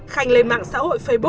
khanh lên mạng xã hội facebook